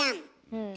うん。